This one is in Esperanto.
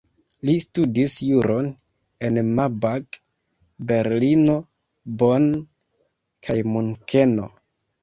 Li studis juron en Marburg, Berlino, Bonn kaj Munkeno.